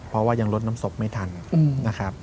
เพราะว่ายังลดน้ำศพไม่ทันนะครับ